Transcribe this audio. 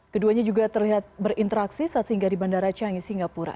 keduanya juga terlihat berinteraksi saat singgah di bandara canggih singapura